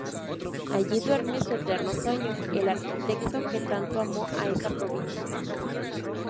Allí duerme su eterno sueño el arquitecto que tanto amó a esa provincia.